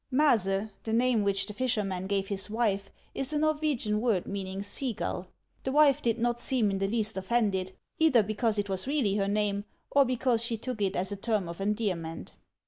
"" Maase,'' the name which the fisherman gave his wife, is a Norwegian word meaning " sea gull." The wife did not seem in the least offended, either because it was really her name, or because she took it as a term of endearment.